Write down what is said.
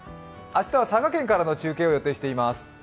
明日は佐賀県からの中継を予定しています。